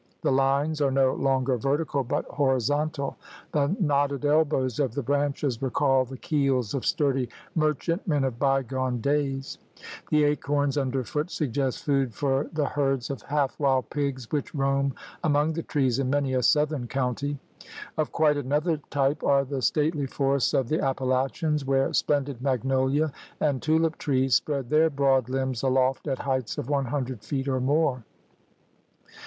The lines are no longer vertical but horizontal. The knotted elbows of the branches recall the keels of sturdy merchantmen of bygone days. The acorns under foot suggest food for the herds of half wild pigs which roam among the trees in many a southern county. Of quite another type are the stately forests of the Appalachians where splendid magnolia and tulip trees spread their broad limbs aloft at heights of one hundred feet or more.